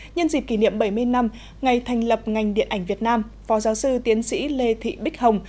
nhân dịp kỷ niệm bảy mươi năm ngày thành lập ngành điện ảnh việt nam phó giáo sư tiến sĩ lê thị bích hồng